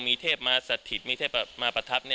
มีเทพมาสถิตมีเทพมาประทับ